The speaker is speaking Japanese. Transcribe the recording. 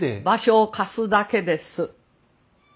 場所を貸すだけです。